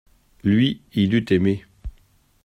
Lui, il eut aimé.